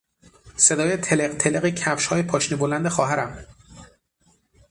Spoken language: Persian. صدای تلقتلق کفشهای پاشنه بلند خواهرم